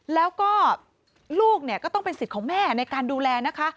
แล้วก็ลูกเนี่ยก็ต้องเป็นสิทธิ์ของแม่ในการดูแลนะคะ